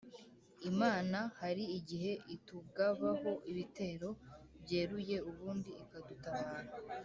Imana hari igihe atugabaho ibitero byeruye ubundi ikadutabara